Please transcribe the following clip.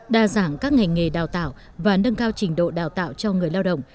đa dạng các ngành nghề đào tạo và nâng cao trình độ đào tạo cho người lao động